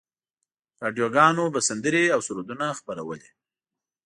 راډیوګانو به سندرې او سرودونه خپرولې.